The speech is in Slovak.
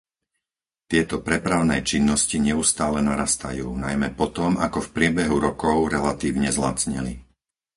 Tieto prepravné činnosti neustále narastajú, najmä potom, ako v priebehu rokov relatívne zlacneli.